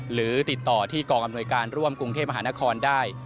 หรือติดต่อที่กองอำนวยการร่วมกรุงเทพมหานครได้